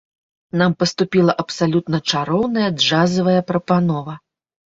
Нам паступіла абсалютна чароўная джазавая прапанова.